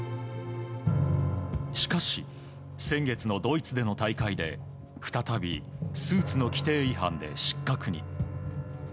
しかし、先月のドイツでの大会で再び、スーツの規定違反で失格に。